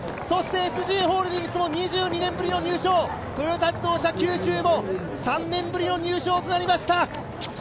そしてＳＧホールディングスも２２年ぶりの入賞、トヨタ自動車九州も３年ぶりの入賞となりました。